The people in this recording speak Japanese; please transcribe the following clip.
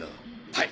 はい。